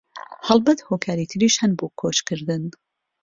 هەڵبەت هۆکاری تریش هەن بۆ کۆچکردن